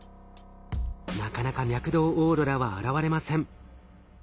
なかなか脈動オーロラは現れません。